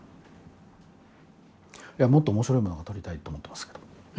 もっとおもしろいものが撮りたいと思っていますけど。